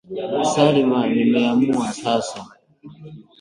Salma nimeamua sasa